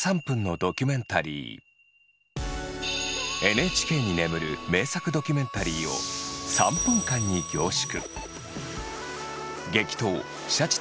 ＮＨＫに眠る名作ドキュメンタリーを３分間に凝縮。